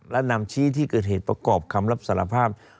และนำชี้ที่เกิดเหตุประกอบคำรับสารภาพ